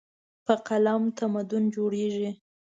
په قلم تمدن جوړېږي.